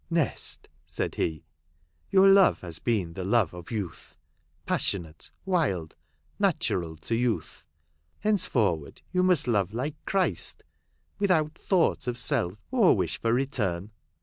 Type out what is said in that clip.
"Nest," said he, "your love has been the love of youth ; passionate, wild, natural to youth. Henceforward you must love like Christ ; without thought of self, or wish for return.